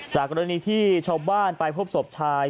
กรณีที่ชาวบ้านไปพบศพชาย